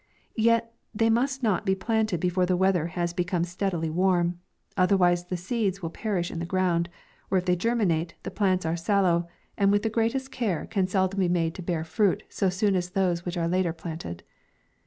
Yet they must not be planted before the weather has become steadily warm, otherwise the seeds will per ish in the ground, or if they germinate, the plants are sallow, and with the greatest car* K iio ma\. can seldom be made to bear fruit so soon as those which are later planted.